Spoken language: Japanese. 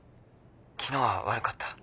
昨日は悪かった。